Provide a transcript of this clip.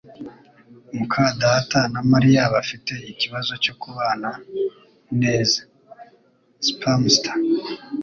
muka data na Mariya bafite ikibazo cyo kubana neza. (Spamster)